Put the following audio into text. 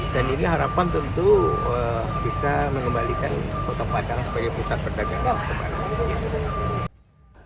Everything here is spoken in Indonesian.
dan ini harapan tentu bisa mengembalikan kota padang sebagai pusat perdagangan